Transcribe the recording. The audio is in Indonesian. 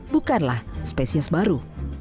bukanlah spesies baru